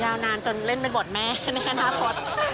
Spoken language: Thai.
ยาวนานจนเล่นเป็นบทแม่ในอนาคต